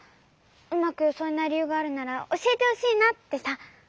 うまくよそえないりゆうがあるならおしえてほしいなってさ。